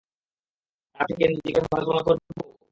তার থেকে নিজেকে ভালো প্রমাণ করবো?